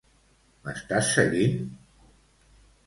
M'estàs seguint?